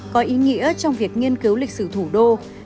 có ý nghĩa trong việc nghiên cứu lịch sử thủ đô